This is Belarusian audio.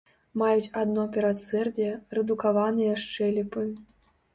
Маюць адно перадсэрдзе, рэдукаваныя шчэлепы.